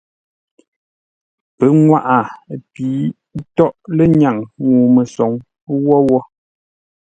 Pənŋwaʼa pi tóghʼ lə́nyaŋ ŋuu-məsoŋ wó wó.